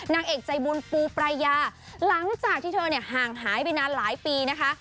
นางเอกใจบุญปูปรายาหลังจากที่เธอเนี่ยห่างหายไปนานหลายปีนะคะ